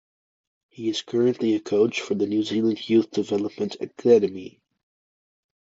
He is currently a coach for the New Zealand Youth Development Academy.